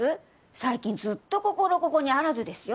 最近ずっと心ここにあらずですよ。